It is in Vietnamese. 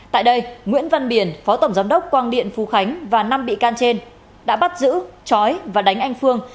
tại đây nguyễn văn biển phó tổng giám đốc quang điện phú khánh và năm bị can trên đã bắt giữ chói và đánh anh phương